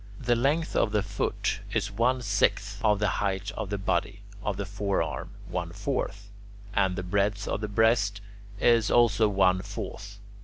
The length of the foot is one sixth of the height of the body; of the forearm, one fourth; and the breadth of the breast is also one fourth.